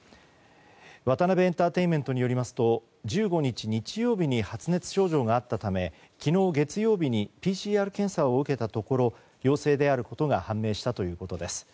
ワタナベエンターテインメントによりますと、１５日日曜日に発熱症状があったため昨日、月曜日にＰＣＲ検査を受けたところ陽性であることが判明したということです。